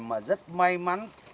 mà rất may mắn